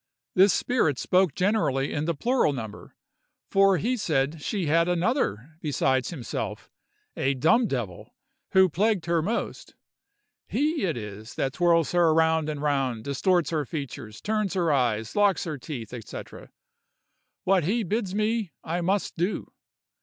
This spirit spoke generally in the plural number, for he said she had another besides himself, a dumb devil, who plagued her most. "He it is that twirls her round and round, distorts her features, turns her eyes, locks her teeth, &c. What he bids me, I must do!"